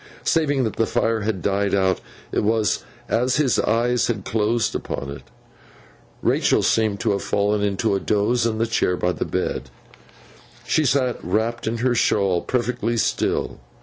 Saving that the fire had died out, it was as his eyes had closed upon it. Rachael seemed to have fallen into a doze, in the chair by the bed. She sat wrapped in her shawl, perfectly still.